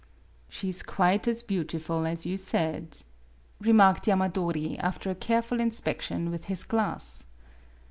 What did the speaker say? "She is quite as beautiful as you said," remarked Yamadori, after a careful inspec tion with his glass.